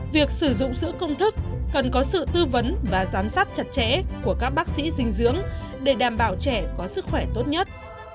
việc sử dụng sữa công thức cần có sự tư vấn và giám sát chặt chẽ của các bác sĩ dinh dưỡng để đảm bảo trẻ có sức khỏe tốt nhất